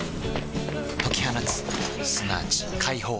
解き放つすなわち解放